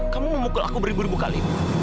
kamu memukul aku beribu ribu kali